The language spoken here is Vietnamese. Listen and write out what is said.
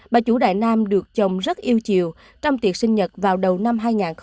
bà chủ đại nam được chồng rất yêu chiều trong tiệc sinh nhật vào đầu năm hai nghìn hai mươi